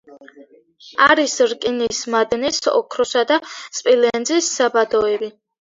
არის რკინის მადნის, ოქროს და სპილენძის საბადოები.